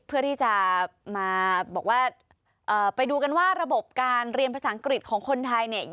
เพื่อที่จะมาบอกว่าไปดูกันว่าระบบการเรียนภาษาอังกฤษของคนไทยเนี่ย